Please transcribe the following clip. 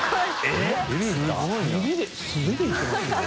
─舛叩悗素手でいってますよね？